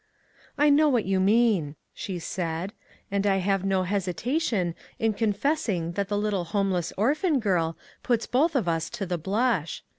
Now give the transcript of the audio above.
" I know what you mean," she said, " and I have no hesitation in confessing that the little homeless orphan girl puts us both to the blush.